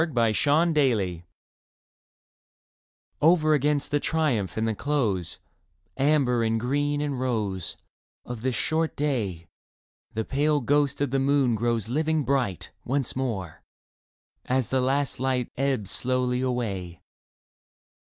2 8 Leda A SUNSET OVER against the triumph and the close — Amber and green and rose — Of this short day, The pale ghost of the moon grows living bright Once more, as the last light Ebbs slowly away.